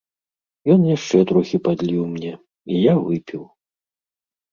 Ён яшчэ трохі падліў мне, і я выпіў.